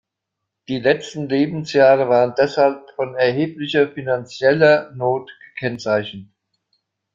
Die letzten Lebensjahre waren deshalb von erheblicher finanzieller Not gekennzeichnet.